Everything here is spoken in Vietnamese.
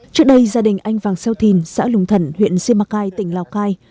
trước đây gia đình anh vàng xeo thìn xã lùng thần huyện siêma cai tỉnh lào cai